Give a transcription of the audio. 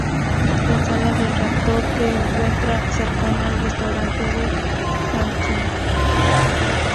La sala del reactor se encuentra cercana al restaurante "Quantum".